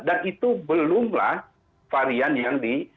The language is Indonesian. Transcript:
dan itu belumlah varian yang dikatakan